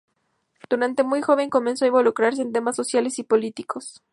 Durante muy joven comenzó a involucrarse en temas sociales y políticos.